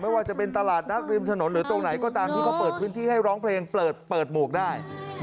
ว่าจะเป็นตลาดนัดริมถนนหรือตรงไหนก็ตามที่เขาเปิดพื้นที่ให้ร้องเพลงเปิดหมวกได้